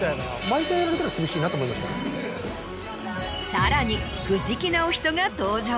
さらに藤木直人が登場。